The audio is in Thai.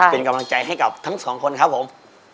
เป็นกำลังใจให้กับทั้งสองคนครับผม